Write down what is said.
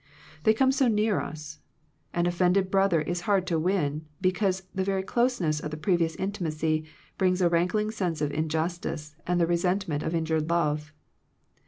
They come so near us. An of fended brother is hard to win, because the very closeness of the previous inti macy brings a rankling sense of injustice and the resentment of injured love.